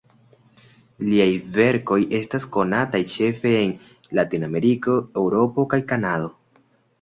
Liaj verkoj estas konataj ĉefe en Latinameriko, Eŭropo kaj Kanado.